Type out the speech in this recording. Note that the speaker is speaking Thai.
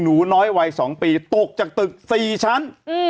หนูน้อยวัย๒ปีตกจากตึก๔ชั้น